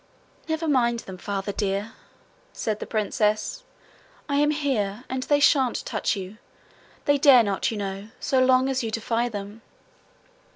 'Never mind them, Father dear,' said the princess. 'I am here, and they shan't touch you. They dare not, you know, so long as you defy them.'